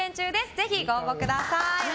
ぜひご応募ください。